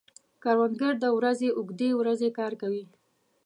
کروندګر د ورځې اوږدې ورځې کار کوي